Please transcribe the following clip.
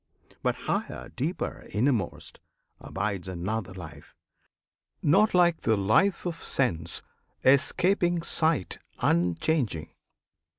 But higher, deeper, innermost abides Another Life, not like the life of sense, Escaping sight, unchanging.